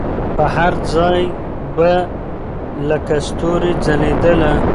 پر هر ځای به لکه ستوري ځلېدله